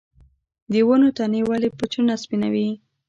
د ونو تنې ولې په چونه سپینوي؟